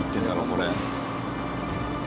これ。